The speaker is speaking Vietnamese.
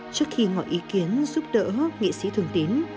trước khi ngọi ý kiến giúp đỡ nghệ sĩ thương tín